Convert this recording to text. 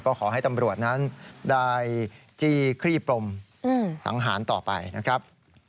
ก็ขอให้ตำรวจนั้นได้จี้คลี่ปรมสังหารต่อไปนะครับ